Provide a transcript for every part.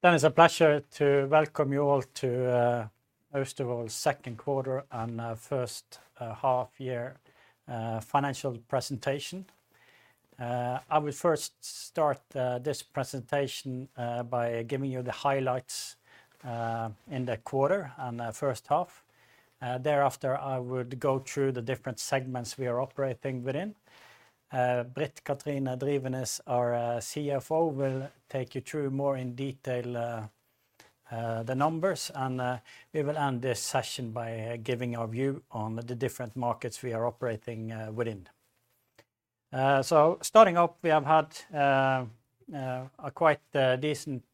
It's a pleasure to welcome you all to Austevoll second quarter and first half year financial presentation. I will first start this presentation by giving you the highlights in the quarter and the first half. Thereafter, I would go through the different segments we are operating within. Britt Kathrine Drivenes, our CFO, will take you through more in detail the numbers, and we will end this session by giving our view on the different markets we are operating within. Starting up, we have had a quite decent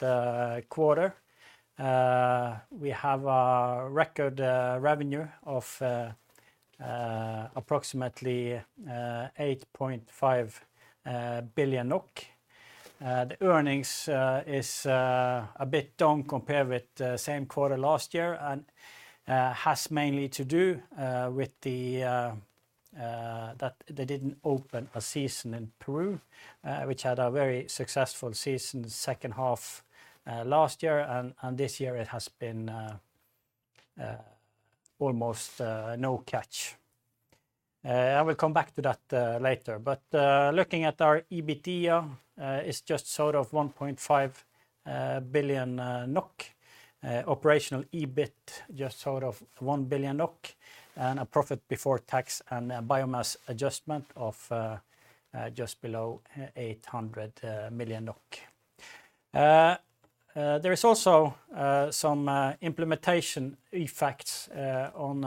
quarter. We have a record revenue of approximately 8.5 billion NOK. The earnings is a bit down compared with the same quarter last year and has mainly to do with the that they didn't open a season in Peru, which had a very successful season second half last year. This year it has been almost no catch. I will come back to that later. Looking at our EBITDA, it's just short of 1.5 billion NOK. Operational EBIT, just short of 1 billion NOK, and a profit before tax and biomass adjustment of just below 800 million NOK. There is also some implementation effects on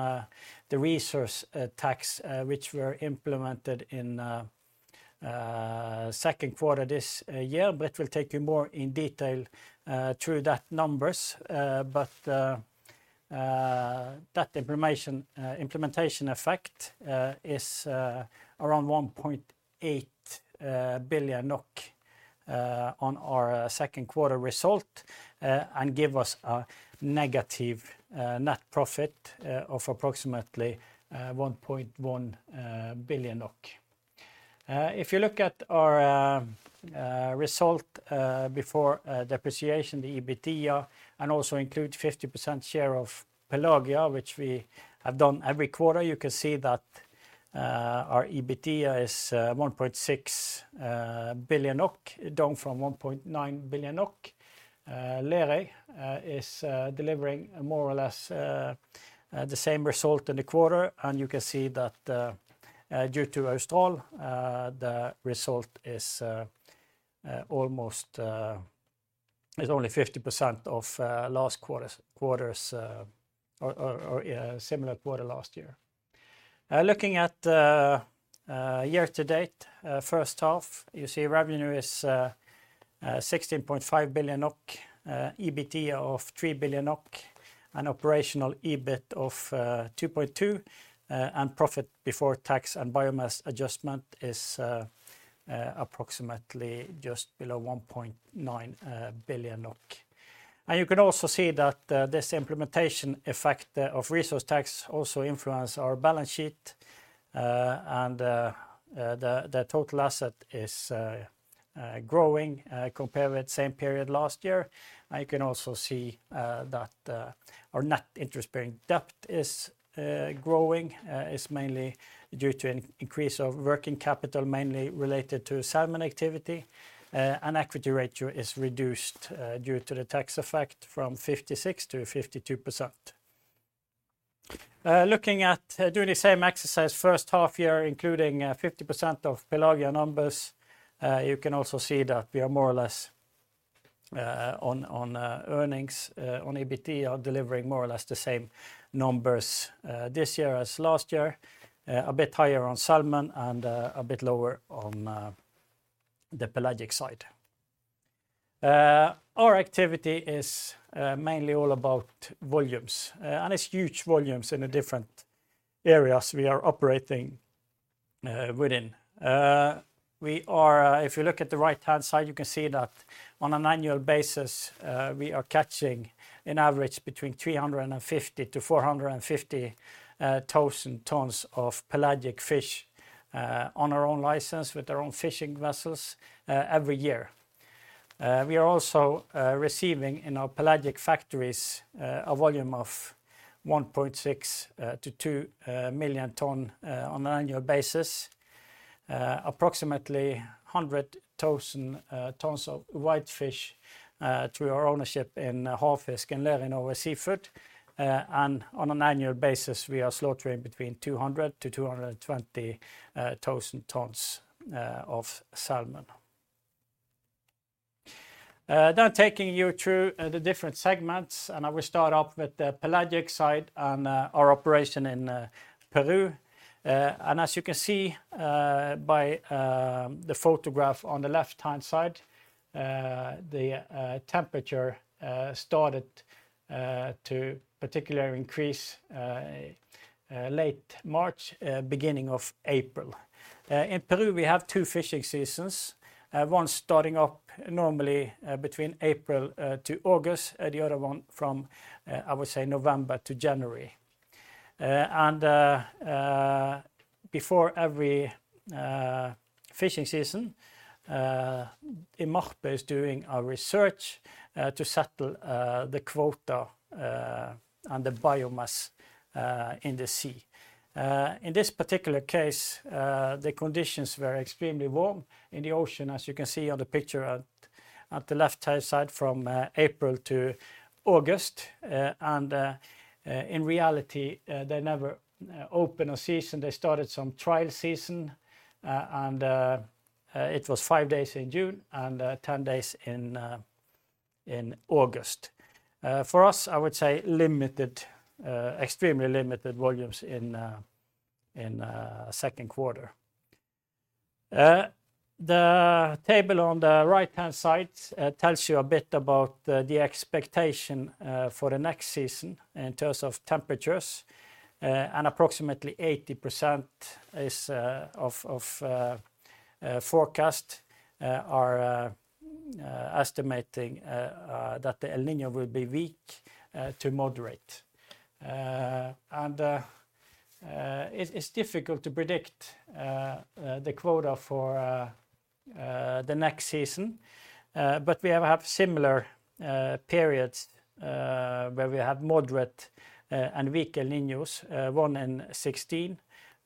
the resource tax, which were implemented in second quarter this year. It will take you more in detail through that numbers. That information implementation effect is around 1.8 billion NOK on our second quarter result and give us a negative net profit of approximately 1.1 billion NOK. If you look at our result before depreciation, the EBITDA, and also include 50% share of Pelagia, which we have done every quarter, you can see that our EBITDA is 1.6 billion NOK, down from 1.9 billion NOK. Lerøy is delivering more or less the same result in the quarter, and you can see that due to Austevoll, the result is almost... It's only 50% of last quarter's or similar quarter last year. Looking at year to date, first half, you see revenue is 16.5 billion NOK, EBITDA of 3 billion NOK, an operational EBIT of 2.2, and profit before tax and biomass adjustment is approximately just below 1.9 billion NOK. You can also see that this implementation effect of resource tax also influence our balance sheet, and the total asset is growing compared with same period last year. You can also see that our net interest-bearing debt is growing. It's mainly due to an increase of working capital, mainly related to salmon activity, and equity ratio is reduced due to the tax effect from 56%-52%. Looking at doing the same exercise first half year, including 50% of Pelagia numbers, you can also see that we are more or less on earnings on EBITDA, delivering more or less the same numbers this year as last year. A bit higher on salmon and a bit lower on the pelagic side. Our activity is mainly all about volumes, and it's huge volumes in the different areas we are operating within. We are, if you look at the right-hand side, you can see that on an annual basis, we are catching an average between 350,000-450,000 tons of pelagic fish on our own license with our own fishing vessels every year. We are also receiving in our pelagic factories a volume of 1.6 million-2 million ton on an annual basis. Approximately 100,000 tons of whitefish through our ownership in Havfisk and Lerøy Seafood. On an annual basis, we are slaughtering between 200,000-220,000 tons of salmon. Now taking you through the different segments, and I will start off with the pelagic side and our operation in Peru. As you can see, by the photograph on the left-hand side, the temperature started to particularly increase late March, beginning of April. In Peru, we have 2 fishing seasons, one starting up normally between April to August, the other one from, I would say, November to January. Before every fishing season, IMARPE is doing a research to settle the quota and the biomass in the sea. In this particular case, the conditions were extremely warm in the ocean, as you can see on the picture at the left-hand side from April to August. In reality, they never open a season. They started some trial season, and it was 5 days in June and 10 days in August. For us, I would say limited, extremely limited volumes in second quarter. The table on the right-hand side tells you a bit about the expectation for the next season in terms of temperatures. Approximately 80% is of forecast are estimating that the El Niño will be weak to moderate. It's difficult to predict the quota for the next season. We have have similar periods where we have moderate and weak El Niños, 1 in 2016.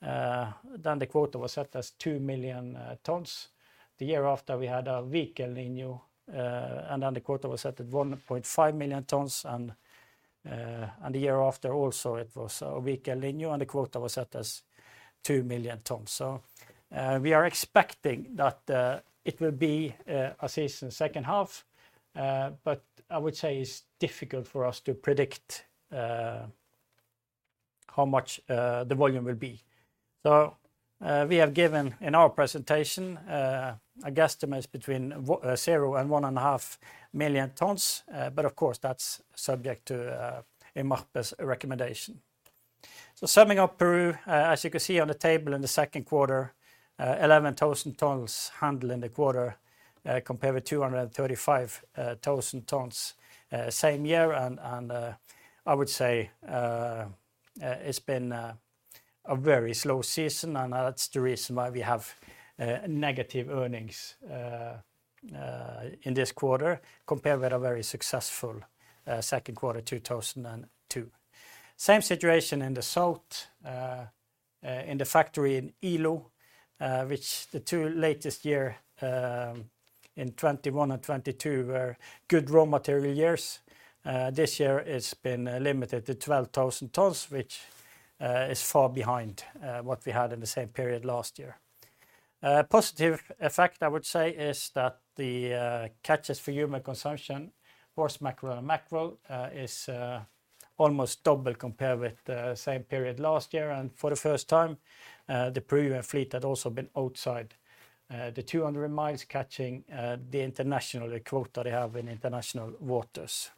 The quota was set as 2 million tons. The year after, we had a weak El Niño, and then the quota was set at 1.5 million tons. The year after also, it was a weak El Niño, and the quota was set as 2 million tons. We are expecting that, it will be, a season second half, but I would say it's difficult for us to predict, how much, the volume will be. We have given in our presentation, a guesstimate between 0 and 1.5 million tons, but of course, that's subject to, IMARPE's recommendation. Summing up Peru, as you can see on the table in the second quarter, 11,000 tons handled in the quarter, compared with 235,000 tons, same year. I would say, it's been a very slow season, and that's the reason why we have negative earnings in this quarter, compared with a very successful second quarter, 2002. Same situation in the south, in the factory in Ilo, which the 2 latest year, in 2021 and 2022, were good raw material years. This year, it's been limited to 12,000 tons, which is far behind what we had in the same period last year. Positive effect, I would say, is that the catches for human consumption, horse mackerel and mackerel, is almost double compared with the same period last year. For the first time, the Peruvian fleet had also been outside the 200 miles, catching the international quota they have in international waters.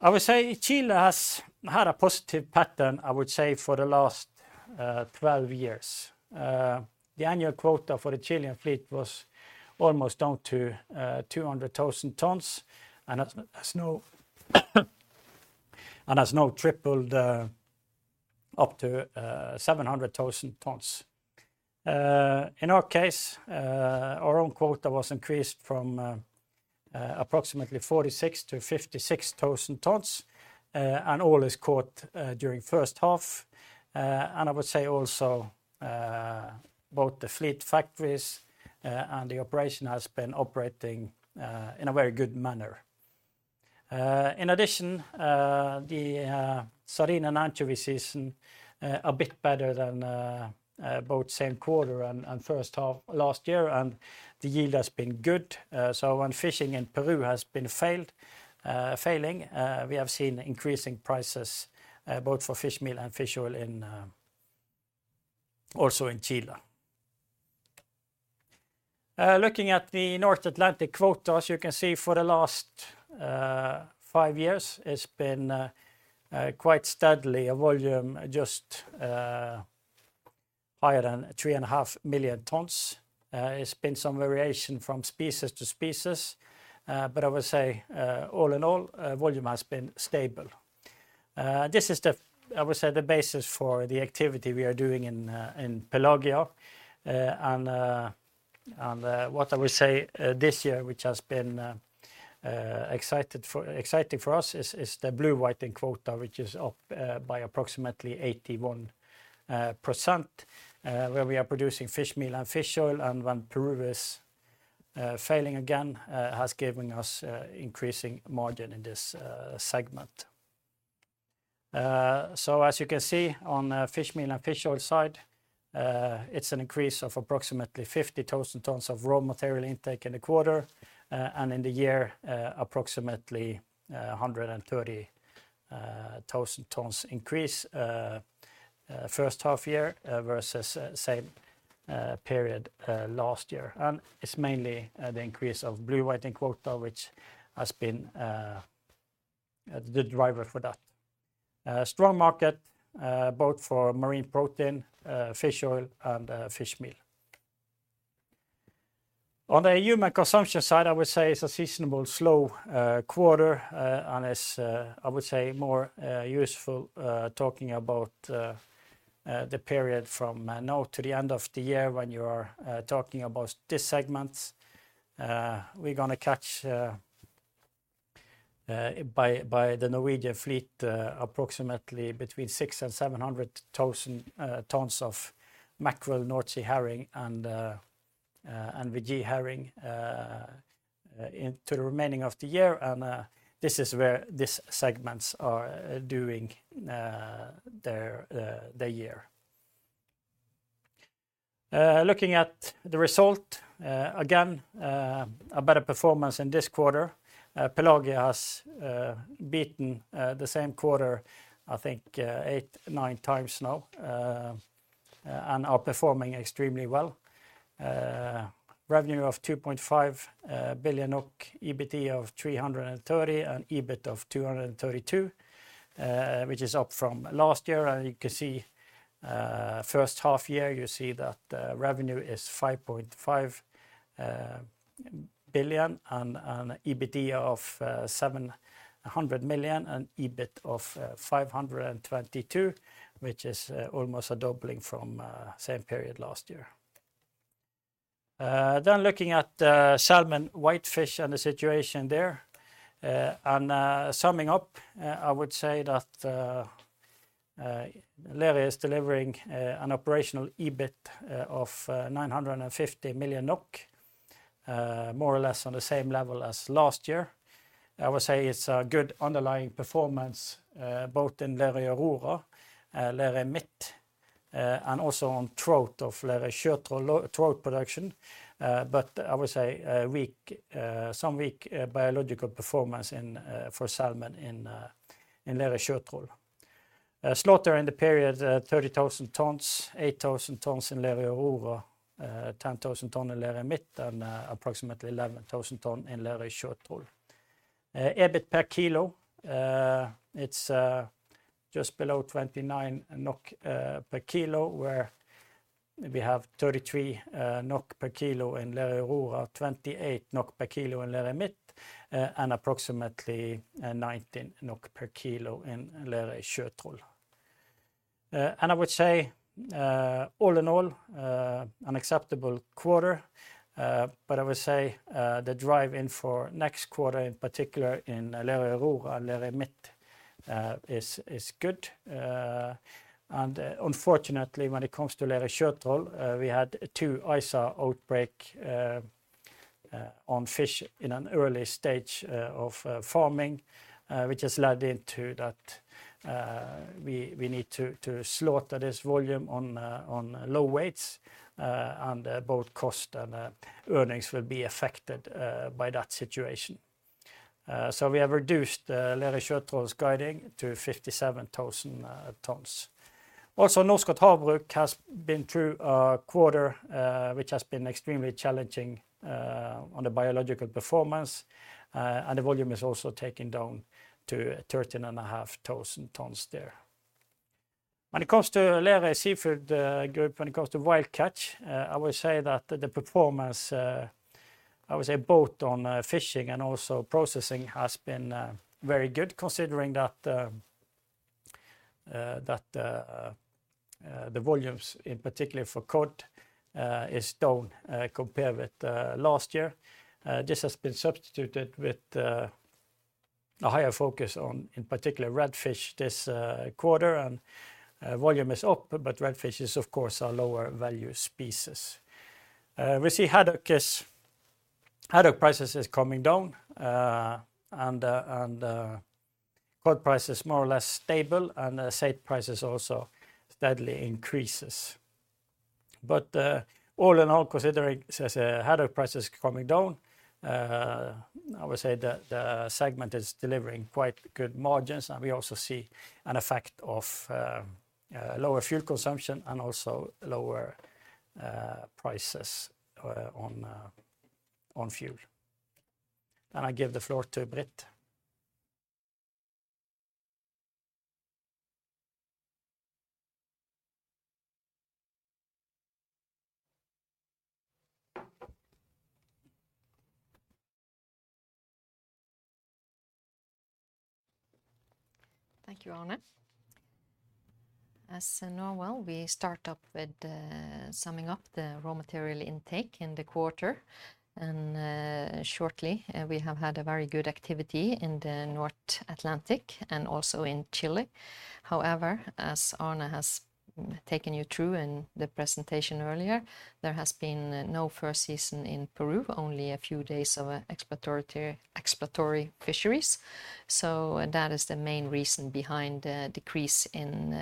I would say Chile has had a positive pattern, I would say, for the last 12 years. The annual quota for the Chilean fleet was almost down to 200,000 tons, and has now tripled up to 700,000 tons. In our case, our own quota was increased from approximately 46,000-56,000 tons, and all is caught during first half. And I would say also, both the fleet factories and the operation has been operating in a very good manner. In addition, the sardine and anchovy season, a bit better than both same quarter and first half last year, and the yield has been good. When fishing in Peru has been failed, failing, we have seen increasing prices both for fish meal and fish oil also in Chile. Looking at the North Atlantic quota, as you can see for the last 5 years, it's been quite steadily, a volume just higher than 3.5 million tons. It's been some variation from species to species, I would say all in all, volume has been stable. This is the, I would say, the basis for the activity we are doing in Pelagia. What I would say this year, which has been exciting for us, is the blue whiting quota, which is up by approximately 81%, where we are producing fish meal and fish oil. When Peru is failing again, has given us increasing margin in this segment. As you can see on the fish meal and fish oil side, it's an increase of approximately 50,000 tons of raw material intake in the quarter, and in the year, approximately 130,000 tons increase first half year versus same period last year. It's mainly the increase of blue whiting quota, which has been the driver for that. Strong market, both for marine protein, fish oil, and fish meal. On the human consumption side, I would say it's a seasonable slow quarter, and it's I would say more useful talking about the period from now to the end of the year when you are talking about this segment. We're gonna catch by the Norwegian fleet approximately 600,000-700,000 tons of mackerel, North Sea herring, and NVG herring into the remaining of the year. This is where these segments are doing their the year. Looking at the result, again, a better performance in this quarter. Pelagia has beaten the same quarter, I think, 8, 9 times now, and are performing extremely well. Revenue of 2.5 billion, EBIT of 330, EBIT of 232, which is up from last year. You can see, first half-year, you see that revenue is 5.5 billion, EBIT of 700 million, EBIT of 522, which is almost a doubling from same period last year. Looking at salmon, whitefish, and the situation there, summing up, I would say that Lerøy is delivering an operational EBIT of 950 million NOK, more or less on the same level as last year. I would say it's a good underlying performance, both in Lerøy Aurora, Lerøy Midt, and also on trout of Lerøy trout, trout production. I would say a weak, some weak, biological performance in for salmon in in Lerøy Sjøtroll. Slaughter in the period, 30,000 tons, 8,000 tons in Lerøy Aurora, 10,000 ton in Lerøy Midt, and approximately 11,000 ton in Lerøy Sjøtroll. EBIT per kilo, it's just below 29 NOK per kilo, where we have 33 NOK per kilo in Lerøy Aurora, 28 NOK per kilo in Lerøy Midt, and approximately 19 NOK per kilo in Lerøy Sjøtroll. I would say, all in all, an acceptable quarter. But I would say, the drive in for next quarter, in particular in Lerøy Aurora and Lerøy Midt, is good. And, unfortunately, when it comes to Lerøy Sjøtroll, we had two ISA outbreaks on fish in an early stage of farming, which has led into that we need to slaughter this volume on low weights, and both cost and earnings will be affected by that situation. So we have reduced Lerøy Sjøtroll's guiding to 57,000 tons. Also, Norskott Havbruk has been through a quarter which has been extremely challenging on the biological performance, and the volume is also taken down to 13.5 thousand tons there. When it comes to Lerøy Seafood Group, when it comes to wild catch, I would say that the performance, I would say both on fishing and also processing, has been very good, considering that the volumes in particular for cod is down compared with last year. This has been substituted with a higher focus on, in particular, redfish this quarter. Volume is up, but redfish is, of course, a lower value species. We see haddock prices is coming down, and cod price is more or less stable, and the salmon price is also steadily increases. All in all, considering, as, haddock price is coming down, I would say that the segment is delivering quite good margins, and we also see an effect of, lower fuel consumption and also lower, prices, on, on fuel. I give the floor to Britt. Thank you, Arne. As normal, we start up with summing up the raw material intake in the quarter. Shortly, we have had a very good activity in the North Atlantic and also in Chile. As Arne has taken you through in the presentation earlier, there has been no fur season in Peru, only a few days of exploratory, exploratory fisheries. That is the main reason behind the decrease in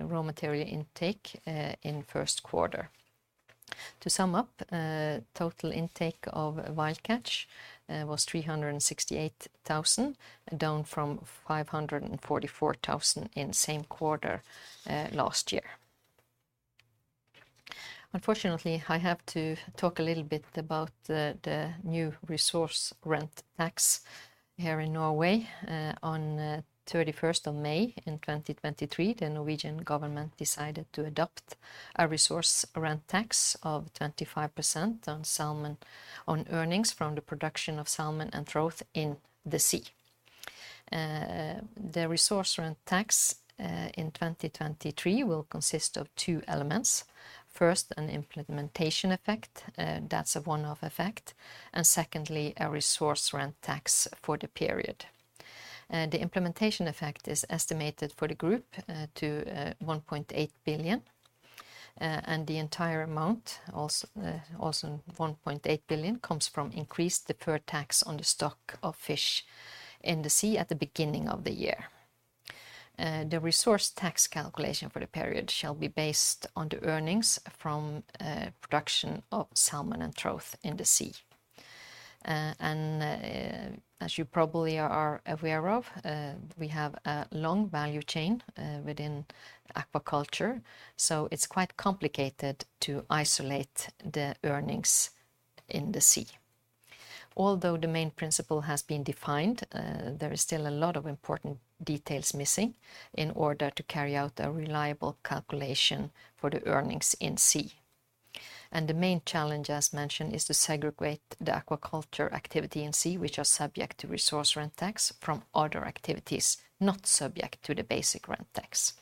raw material intake in first quarter. To sum up, total intake of wild catch was 368,000, down from 544,000 in same quarter last year. Unfortunately, I have to talk a little bit about the new resource rent tax here in Norway. On 31st of May in 2023, the Norwegian Government decided to adopt. A resource rent tax of 25% on salmon, on earnings from the production of salmon and trout in the sea. The resource rent tax in 2023 will consist of two elements. First, an implementation effect, that's a one-off effect, and secondly, a resource rent tax for the period. The implementation effect is estimated for the group to 1.8 billion, and the entire amount, also 1.8 billion, comes from increased deferred tax on the stock of fish in the sea at the beginning of the year. The resource tax calculation for the period shall be based on the earnings from production of salmon and trout in the sea. As you probably are aware of, we have a long value chain within aquaculture, so it's quite complicated to isolate the earnings in the sea. Although the main principle has been defined, there is still a lot of important details missing in order to carry out a reliable calculation for the earnings in sea. The main challenge, as mentioned, is to segregate the aquaculture activity in sea, which are subject to resource rent tax from other activities not subject to the basic rent tax.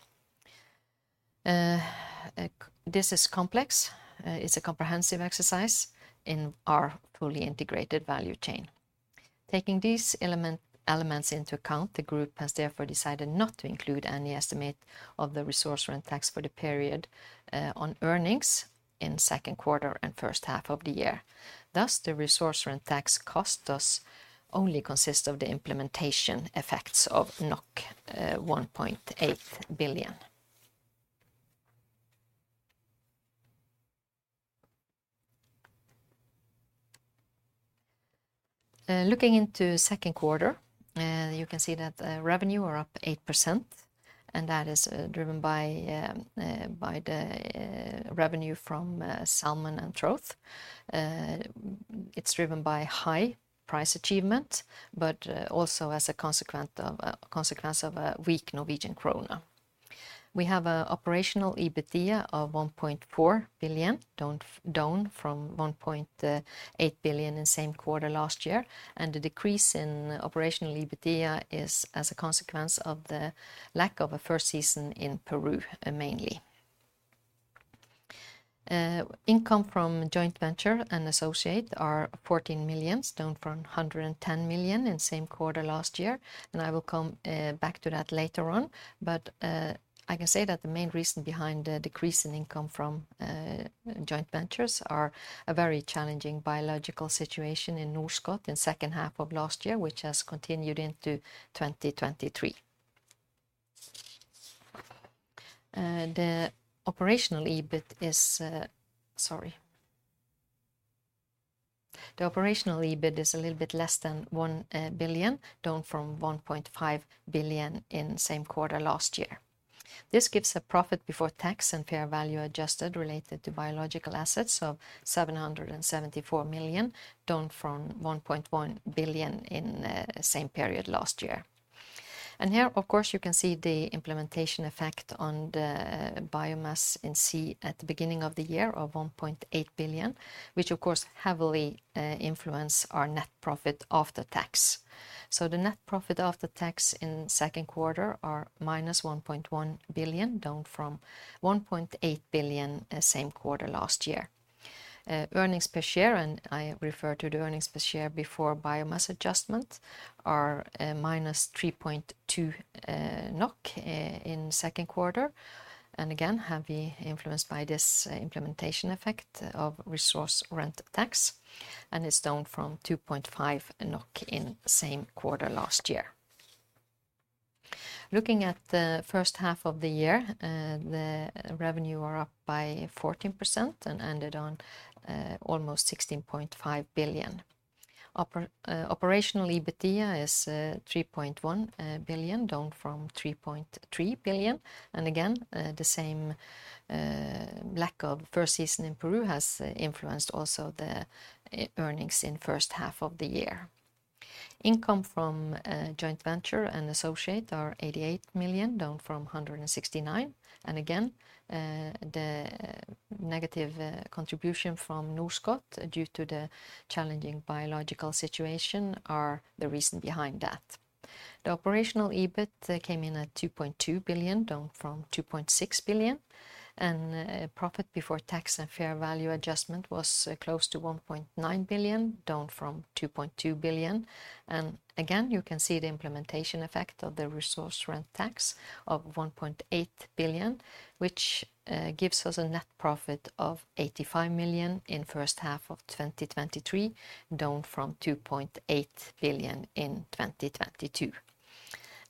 This is complex. It's a comprehensive exercise in our fully integrated value chain. Taking these element, elements into account, the group has therefore decided not to include any estimate of the resource rent tax for the period on earnings in second quarter and first half of the year. Thus, the resource rent tax cost does only consist of the implementation effects of 1.8 billion. Looking into second quarter, you can see that revenue are up 8%, That is driven by the revenue from salmon and trout. It's driven by high price achievement, Also as a consequence of a weak Norwegian krone. We have a operational EBITDA of 1.4 billion, down from 1.8 billion in same quarter last year, The decrease in operational EBITDA is as a consequence of the lack of a first season in Peru, mainly. Income from joint venture and associate are 14 million, down from 110 million in same quarter last year, I will come back to that later on. I can say that the main reason behind the decrease in income from joint ventures are a very challenging biological situation in Norskott Havbruk in second half of last year, which has continued into 2023. The operational EBIT is a little bit less than 1 billion, down from 1.5 billion in same quarter last year. This gives a profit before tax and fair value adjusted related to biological assets of 774 million, down from 1.1 billion in same period last year. Of course, you can see the implementation effect on the biomass in sea at the beginning of the year of 1.8 billion, which of course, heavily influence our net profit after tax. The net profit after tax in second quarter are -1.1 billion, down from 1.8 billion same quarter last year. Earnings per share, and I refer to the earnings per share before biomass adjustment, are -3.2 NOK in second quarter, and again, heavily influenced by this implementation effect of resource rent tax, and it's down from 2.5 NOK in same quarter last year. Looking at the first half of the year, the revenue are up by 14% and ended on almost 16.5 billion. Oper- Operational EBITDA is 3.1 billion, down from 3.3 billion. Again, the same lack of first season in Peru has influenced also the earnings in first half of the year. Income from joint venture and associate are 88 million, down from 169 million. Again, the negative contribution from Norskott, due to the challenging biological situation, are the reason behind that. The operational EBIT came in at 2.2 billion, down from 2.6 billion, and profit before tax and fair value adjustment was close to 1.9 billion, down from 2.2 billion. Again, you can see the implementation effect of the resource rent tax of 1.8 billion, which gives us a net profit of 85 million in first half of 2023, down from 2.8 billion in 2022.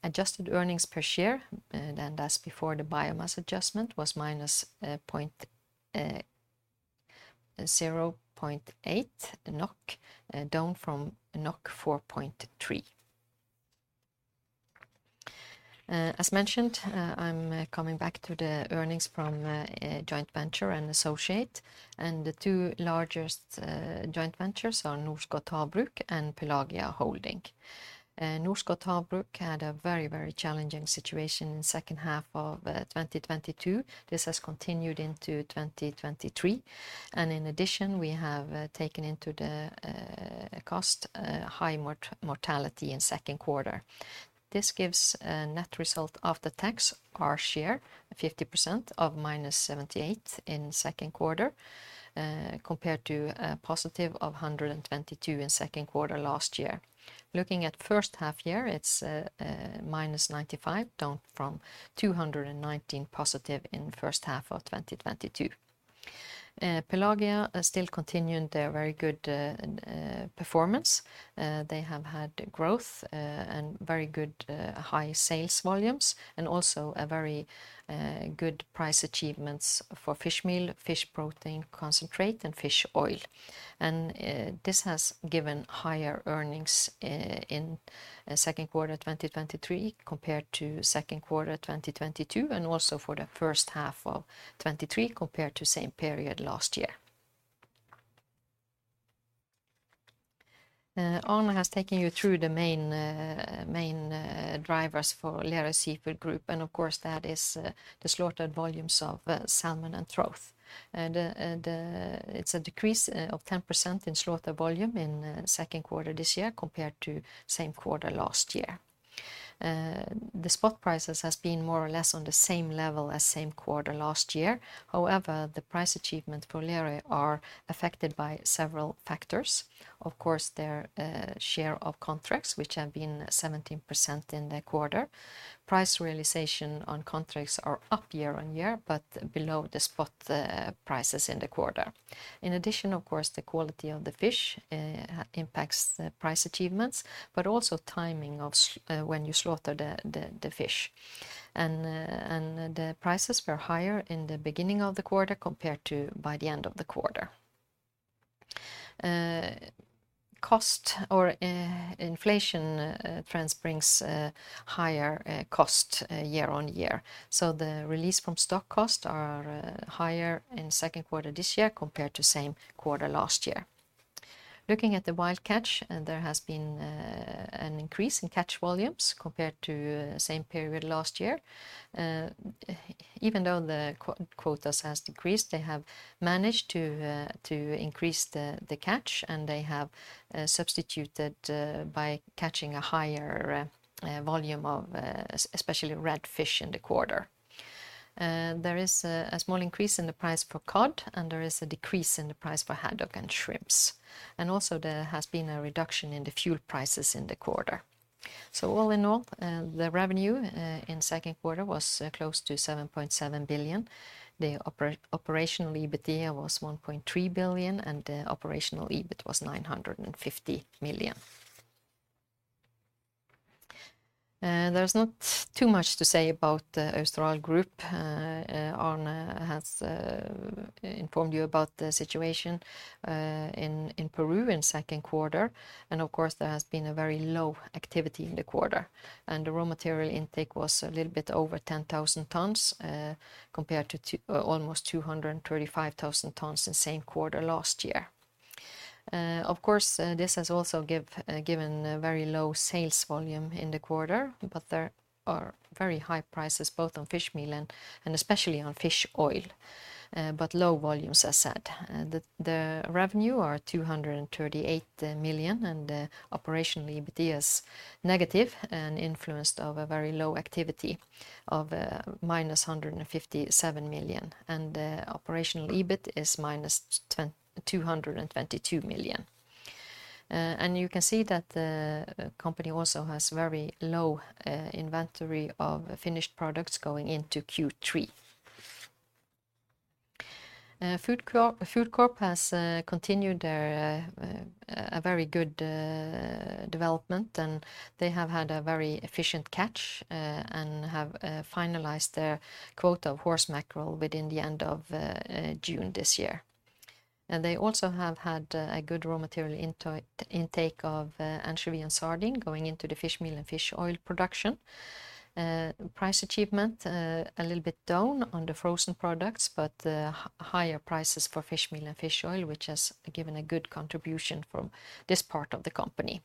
Adjusted earnings per share, and as before, the biomass adjustment was -0.8 NOK, down from 4.3. As mentioned, I'm coming back to the earnings from joint venture and associate, and the two largest joint ventures are Norskott Havbruk and Pelagia Holding. Norskott Havbruk had a very, very challenging situation in second half of 2022. This has continued into 2023, and in addition, we have taken into the cost, high mortality in second quarter. This gives a net result after tax, our share, 50% of -78 in second quarter, compared to a positive 122 in second quarter last year. Looking at first half year, it's -95, down from 219 positive in first half of 2022. Pelagia are still continuing their very good performance. They have had growth, and very good, high sales volumes, and also a very good price achievements for fish meal, fish protein concentrate, and fish oil. This has given higher earnings in second quarter 2023 compared to second quarter 2022, and also for the first half of 2023 compared to same period last year. Arne has taken you through the main, main drivers for Lerøy Seafood Group, and of course, that is the slaughtered volumes of salmon and trout. It's a decrease of 10% in slaughter volume in second quarter this year compared to same quarter last year. The spot prices has been more or less on the same level as same quarter last year. The price achievement for Lerøy are affected by several factors. Of course, their share of contracts, which have been 17% in the quarter. Price realization on contracts are up year-on-year, but below the spot prices in the quarter. In addition, of course, the quality of the fish impacts the price achievements, but also timing of when you slaughter the, the, the fish. The prices were higher in the beginning of the quarter compared to by the end of the quarter. Cost or inflation trends brings higher cost year-on-year. The release from stock cost are higher in second quarter this year compared to same quarter last year. Looking at the wild catch, there has been an increase in catch volumes compared to same period last year. Even though the quotas has decreased, they have managed to increase the catch, and they have substituted by catching a higher volume of especially redfish in the quarter. There is a small increase in the price per cod, and there is a decrease in the price per haddock and shrimp. There has been a reduction in the fuel prices in the quarter. All in all, the revenue in second quarter was close to 7.7 billion. The operational EBITDA was 1.3 billion, and the operational EBIT was 950 million. There's not too much to say about the Austral Group. Arne has informed you about the situation in Peru in Q2. Of course, there has been a very low activity in the quarter, and the raw material intake was a little bit over 10,000 tons compared to almost 235,000 tons in same quarter last year. Of course, this has also given a very low sales volume in the quarter, but there are very high prices, both on fish meal and especially on fish oil, but low volumes, as said. The revenue are 238 million. The operational EBITDA is negative and influenced of a very low activity of minus 157 million. The operational EBIT is minus 222 million. You can see that the company also has very low inventory of finished products going into Q3. FoodCorp, FoodCorp has continued their a very good development, and they have had a very efficient catch and have finalized their quota of horse mackerel within the end of June this year. They also have had a good raw material intake of anchovy and sardine going into the fish meal and fish oil production. Price achievement, a little bit down on the frozen products, but higher prices for fish meal and fish oil, which has given a good contribution from this part of the company.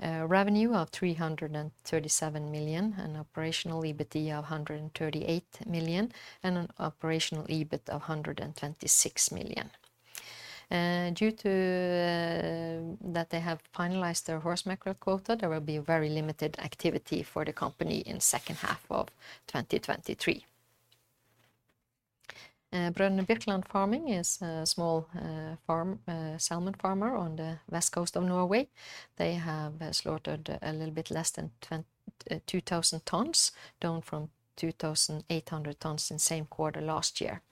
Revenue of 337 million, an operational EBITDA of 138 million, and an operational EBIT of 126 million. Due to that they have finalized their horse mackerel quota, there will be very limited activity for the company in second half of 2023. Br. Birkeland Farming is a small farm, salmon farmer on the west coast of Norway. They have slaughtered a little bit less than 2,000 tons, down from 2,800 tons in same quarter last year.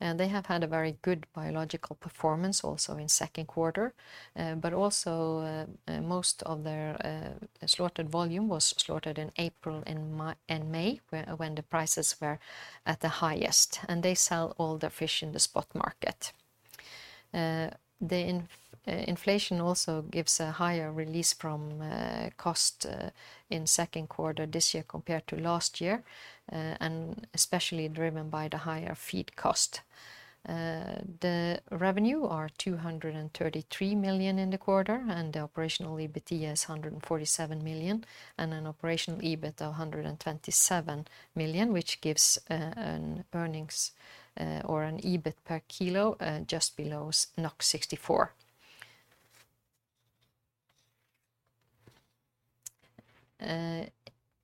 They have had a very good biological performance also in second quarter, but also most of their slaughtered volume was slaughtered in April and May, when the prices were at the highest, and they sell all their fish in the spot market. The inflation also gives a higher release from cost in second quarter this year compared to last year, and especially driven by the higher feed cost. The revenue are 233 million in the quarter, and the operational EBIT is 147 million, and an operational EBIT of 127 million, which gives an earnings or an EBIT per kilo just below 64.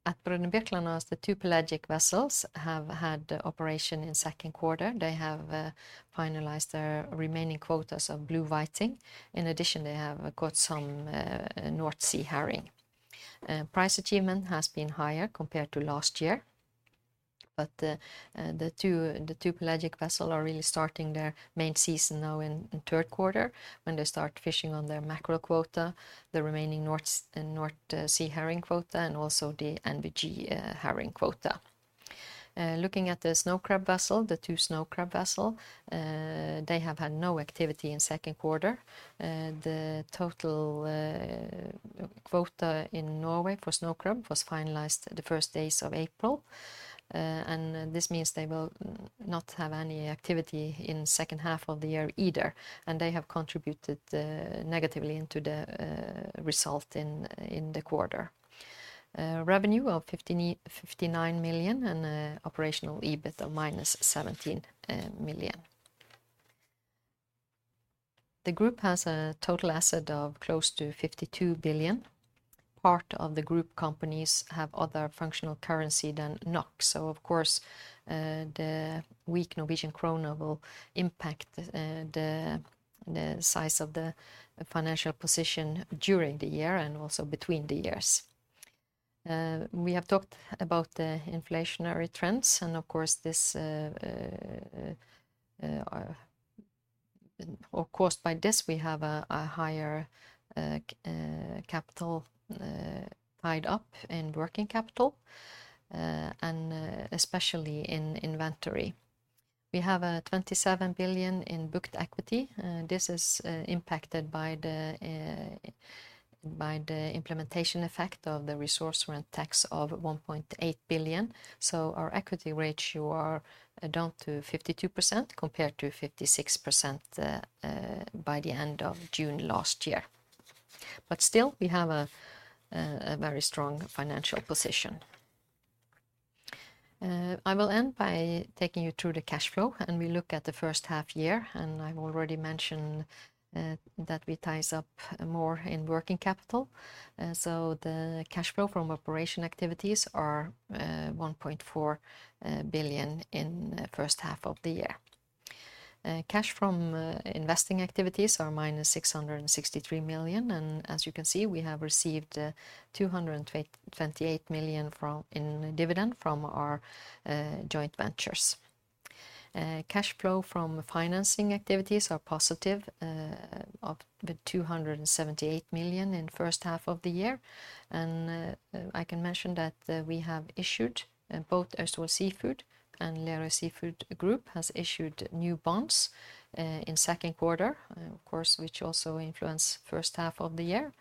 At Br. Birkeland, the two pelagic vessels have had operation in second quarter. They have finalized their remaining quotas of blue whiting. In addition, they have got some North Sea herring. Price achievement has been higher compared to last year, but the two pelagic vessel are really starting their main season now in third quarter, when they start fishing on their mackerel quota, the remaining North Sea herring quota, and also the NVG herring quota. Looking at the snow crab vessel, the two snow crab vessel, they have had no activity in second quarter. The total quota in Norway for snow crab was finalized the first days of April. And this means they will not have any activity in second half of the year either, and they have contributed negatively into the result in the quarter. Revenue of 59 million, and operational EBIT of minus 17 million. The group has a total asset of close to 52 billion. Part of the group companies have other functional currency than NOK, so of course, the weak Norwegian krone will impact the size of the financial position during the year and also between the years. We have talked about the inflationary trends, and of course, this, or caused by this, we have a higher capital tied up in working capital, and especially in inventory. We have 27 billion in booked equity. This is impacted by the implementation effect of the resource rent tax of 1.8 billion. Our equity ratio are down to 52%, compared to 56% by the end of June last year. Still, we have a very strong financial position. I will end by taking you through the cash flow. We look at the first half year. I've already mentioned that we ties up more in working capital. So the cash flow from operation activities are 1.4 billion in the first half of the year. Cash from investing activities are -663 million. As you can see, we have received 228 million from in dividend from our joint ventures. Cash flow from financing activities are positive of the 278 million in first half of the year. I can mention that we have issued both Austevoll Seafood and Lerøy Seafood Group has issued new bonds in second quarter, of course, which also influence first half of the year.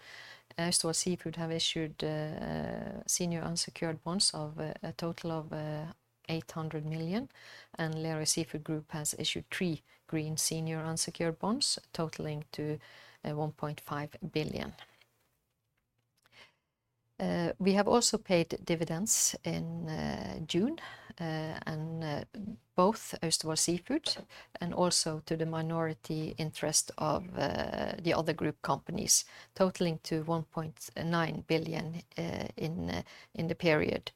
Austevoll Seafood have issued senior unsecured bonds of a total of 800 million, and Lerøy Seafood Group has issued three green senior unsecured bonds, totaling to 1.5 billion. We have also paid dividends in June, and both Austevoll Seafood and also to the minority interest of the other group companies, totaling to 1.9 billion in the period.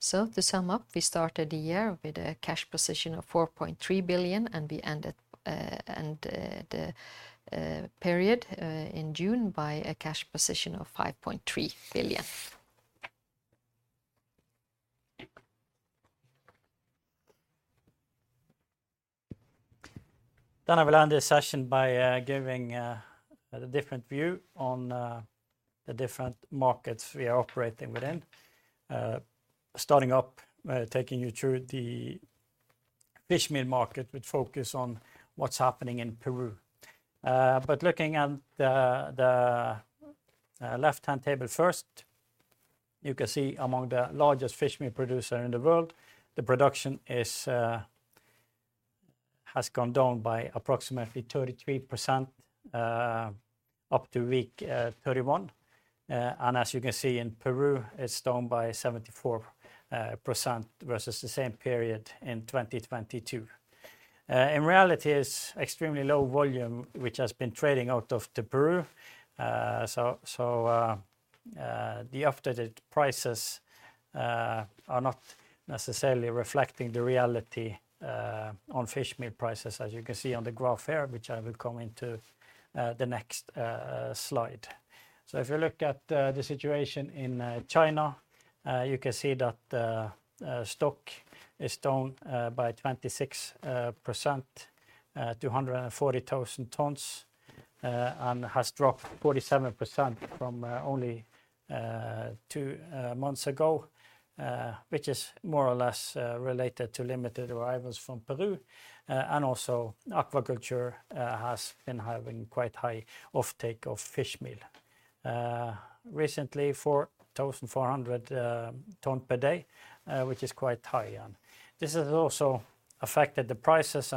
To sum up, we started the year with a cash position of 4.3 billion, and we ended the period in June by a cash position of 5.3 billion. I will end this session by giving a different view on the different markets we are operating within. Starting up by taking you through the fish meal market, which focus on what's happening in Peru. Looking at the, the left-hand table first, you can see among the largest fish meal producer in the world, the production is has gone down by approximately 33%, up to week 31. As you can see in Peru, it's down by 74%, versus the same period in 2022. In reality, it's extremely low volume, which has been trading out of the Peru. The updated prices are not necessarily reflecting the reality on fish meal prices, as you can see on the graph here, which I will come into the next slide. If you look at the situation in China, you can see that the stock is down by 26%, 240,000 tons, and has dropped 47% from only 2 months ago, which is more or less related to limited arrivals from Peru. Also aquaculture has been having quite high offtake of fish meal. Recently, 4,400 tonne per day, which is quite high, and this has also affected the prices.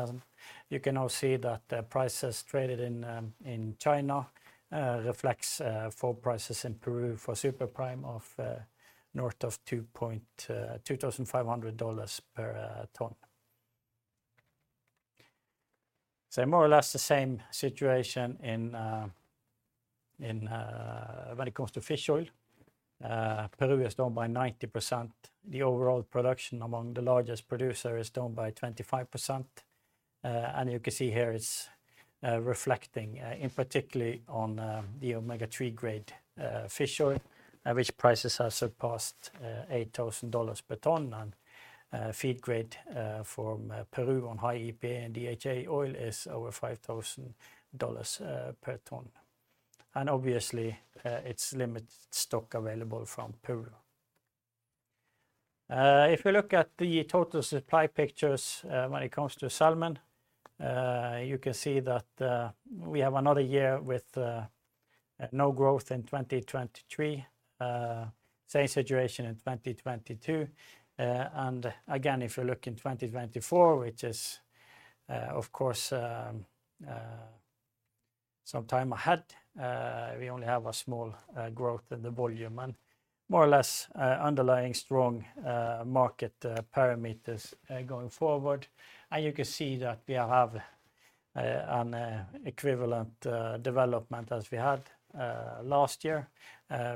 You can now see that the prices traded in China reflects for prices in Peru for Super Prime of north of $2,500 per ton. More or less the same situation when it comes to fish oil. Peru is down by 90%. The overall production among the largest producer is down by 25%. You can see here it's reflecting in particularly on the omega-3 grade fish oil, which prices have surpassed $8,000 per ton. Feed grade from Peru on high EPA and DHA oil is over $5,000 per ton. Obviously, it's limited stock available from Peru. If you look at the total supply pictures, when it comes to salmon, you can see that we have another year with no growth in 2023. Same situation in 2022. Again, if you look in 2024, which is of course some time ahead, we only have a small growth in the volume and more or less underlying strong market parameters going forward. You can see that we have an equivalent development as we had last year,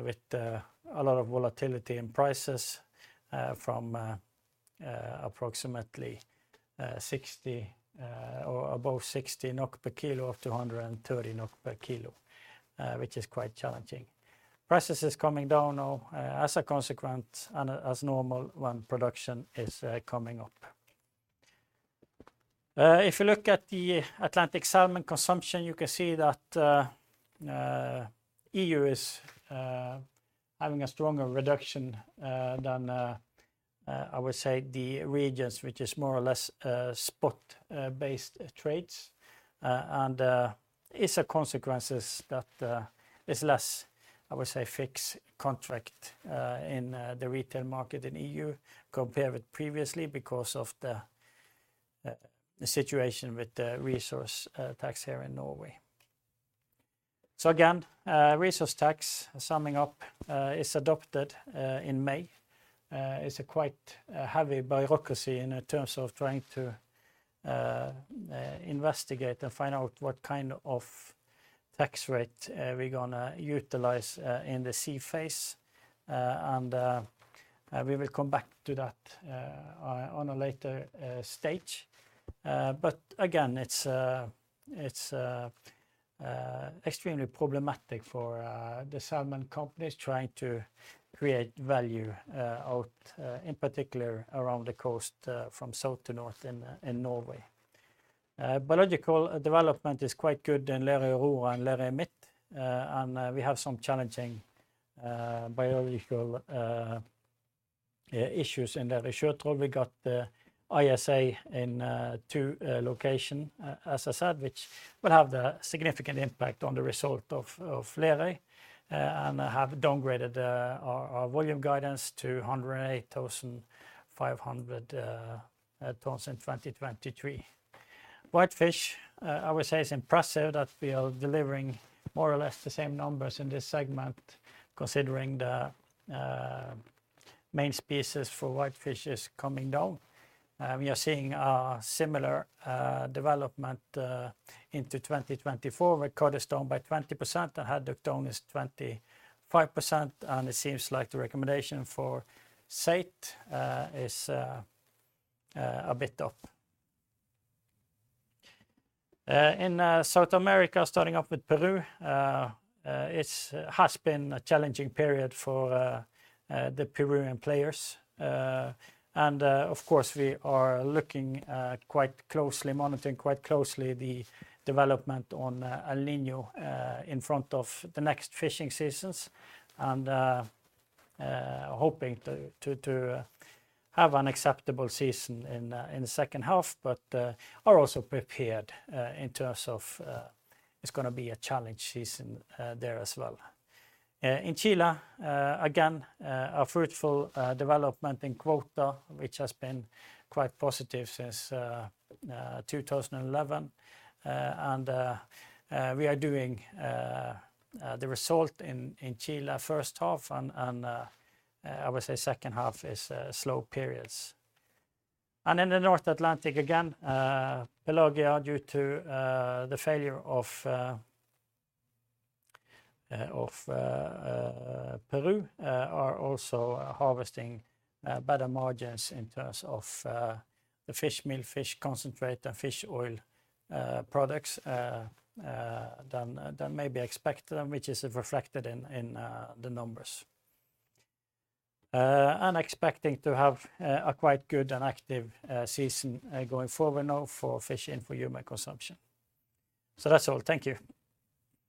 with a lot of volatility in prices, from approximately 60 or above 60 NOK per kilo of 230 NOK per kilo, which is quite challenging. Prices is coming down now, as a consequence and as normal when production is coming up. If you look at the Atlantic salmon consumption, you can see that EU is having a stronger reduction than I would say the regions, which is more or less spot based trades. It's a consequences that there's less, I would say, fixed contract in the retail market in EU compared with previously, because of the situation with the resource tax here in Norway. Again, resource tax, summing up, is adopted in May. It's a quite heavy bureaucracy in terms of trying to investigate and find out what kind of tax rate we're gonna utilize in the sea phase. We will come back to that on a later stage. Again, it's extremely problematic for the salmon companies trying to create value out in particular, around the coast from south to north in Norway. Biological development is quite good in Lerøy Midt and Lerøy Nord, and we have some challenging biological issues in the third quarter. We got the ISA in two location, as I said, which will have the significant impact on the result of Lerøy, and have downgraded our volume guidance to 108,500 tons in 2023. Whitefish, I would say, is impressive that we are delivering more or less the same numbers in this segment, considering the main species for whitefish is coming down. We are seeing a similar development into 2024, where cod is down by 20% and haddock down is 25%, and it seems like the recommendation for skate is a bit up. In South America, starting off with Peru, it's has been a challenging period for the Peruvian players. Of course, we are looking quite closely, monitoring quite closely the development on El Niño in front of the next fishing seasons, and hoping to, to, to have an acceptable season in the second half, but are also prepared in terms of... It's gonna be a challenge season there as well. In Chile, again, a fruitful development in quota, which has been quite positive since 2011. We are doing the result in Chile first half, and I would say second half is slow periods. In the North Atlantic, again, Pelagia, due to the failure of Peru, are also harvesting better margins in terms of the fish meal, fish concentrate, and fish oil products than maybe expected, which is reflected in the numbers. Expecting to have a quite good and active season going forward now for fishing, for human consumption. That's all. Thank you.